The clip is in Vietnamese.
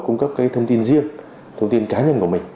cung cấp cái thông tin riêng thông tin cá nhân của mình